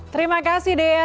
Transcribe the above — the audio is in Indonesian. terima kasih dea